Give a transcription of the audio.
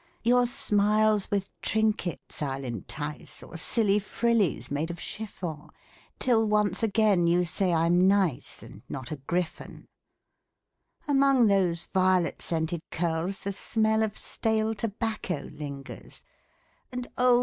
Your smiles with trinkets I'll entice Or silly frillies made of chiffon, Till once again you say I'm nice And not a griffon. 28 A VAIN APPEAL Among those violet scented curls The smell of stale tobacco lingers, And oh